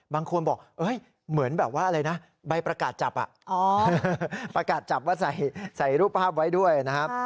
บางคนบอกเหมือนแบบว่าอะไรนะใบประกาศจับประกาศจับว่าใส่รูปภาพไว้ด้วยนะครับ